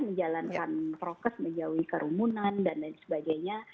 menjalankan prokes menjauhi kerumunan dan lain sebagainya